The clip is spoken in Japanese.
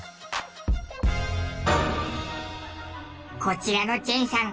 こちらのチェンさん